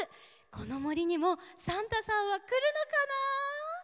このもりにもサンタさんはくるのかな？